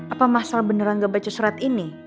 apa mas al beneran gak baca surat ini